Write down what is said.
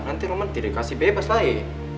nanti roman tidak dikasih bebas lagi